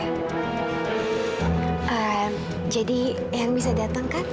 eh jadi ehang bisa datang kan